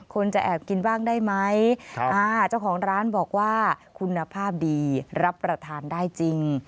คนจะแอบกินบ้างได้ไหมเจ้าของร้านบอกว่าคุณภาพดีรับประทานได้จริง